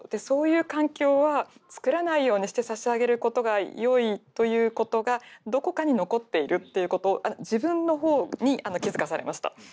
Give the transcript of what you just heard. そういう環境はつくらないようにしてさしあげることがよいということがどこかに残っているっていうこと自分の方に気付かされました。